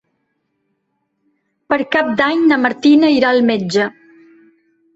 Per Cap d'Any na Martina irà al metge.